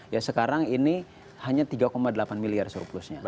ya sekarang ini hanya tiga delapan miliar surplusnya